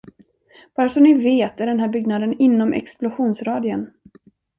Bara så ni vet är den här byggnaden inom explosionsradien.